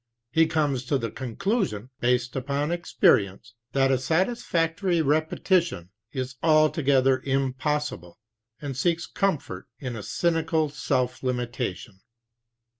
He comes to the conclusion, based upon experience, that a satisfactory repetition is altogether impossible, and seeks comfort in a cynical self limitation.